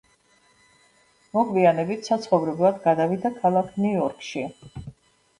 მოგვიანებით საცხოვრებლად გადავიდა ქალაქ ნიუ-იორკში.